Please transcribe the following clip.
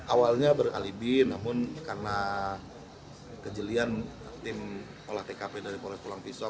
awalnya beralibi namun karena kejelian tim pola tkp dari pola pulang pisau